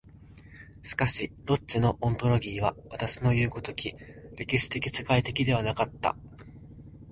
しかしロッチェのオントロギーは私のいう如き歴史的社会的ではなかった。